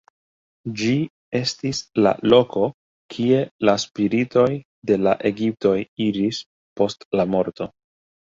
Ĝi estis la loko kie la spiritoj de la egiptoj iris post la morto.